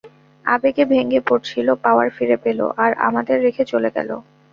আবেগে ভেঙ্গে পড়ছিল, পাওয়ার ফিরে পেল, আর আমাদের রেখে চলে গেল।